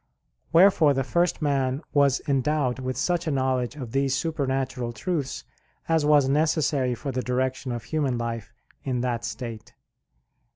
Wherefore the first man was endowed with such a knowledge of these supernatural truths as was necessary for the direction of human life in that state.